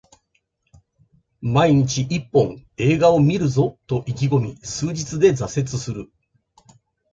毎日一本、映画を観るぞと意気込み数日で挫折する